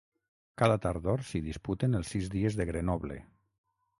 Cada tardor s'hi disputen els Sis dies de Grenoble.